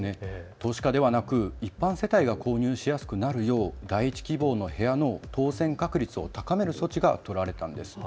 投資家ではなく一般世帯が購入しやすくなるよう第１希望の部屋の当選確率を高める措置が取られたんです。